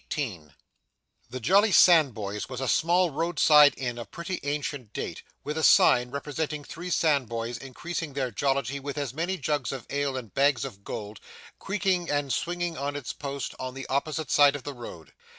CHAPTER 18 The Jolly Sandboys was a small road side inn of pretty ancient date, with a sign, representing three Sandboys increasing their jollity with as many jugs of ale and bags of gold, creaking and swinging on its post on the opposite side of the road.